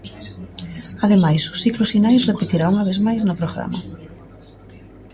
Ademais, o ciclo Sinais repetirá unha vez máis no programa.